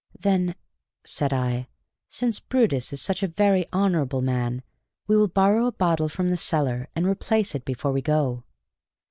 "Then," said I, "since Brutus is such a very honorable man, we will borrow a bottle from the cellar, and replace it before we go."